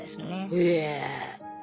へえ。